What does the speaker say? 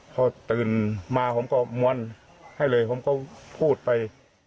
พอตื่นมาผมก็มวลให้เลยผมก็พูดไป